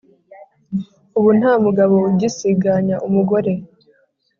ubu nta mugabo ugisiganya umugore